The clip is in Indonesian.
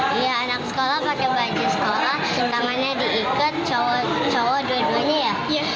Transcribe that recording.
iya anak sekolah pakai baju sekolah sintangannya diikat cowok dua duanya ya